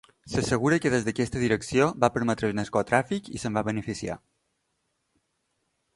S'assegura que des d'aquesta direcció va permetre el narcotràfic i se'n va beneficiar.